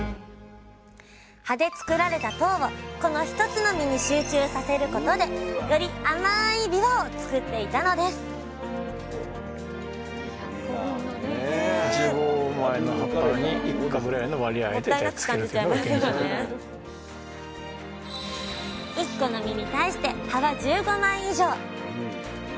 葉で作られた糖をこの１つの実に集中させることでより甘いびわを作っていたのです１個の実に対して葉は１５枚以上。